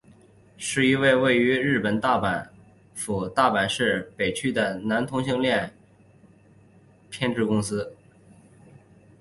是一家位于日本大阪府大阪市北区的男同性恋色情片制片公司。